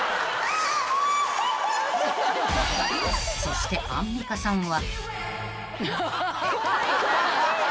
［そしてアンミカさんは］